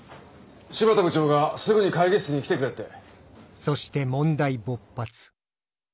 新発田部長がすぐに会議室に来てくれって。